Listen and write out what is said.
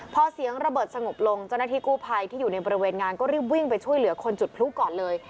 พอเสียงระเบิดสงบลงเจ้าหน้าที่กู้ภัยที่อยู่ในบริเวณงานก็รีบวิ่งไปช่วยเหลือคนจุดพลุก่อนเลย